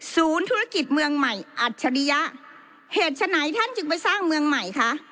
ศูนย์ธุรกิจเมืองใหม่อัจฉริยะเหตุฉะไหนท่านจึงไปสร้างเมืองใหม่คะ